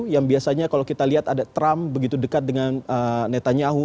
yang biasanya kalau kita lihat ada trump begitu dekat dengan netanyahu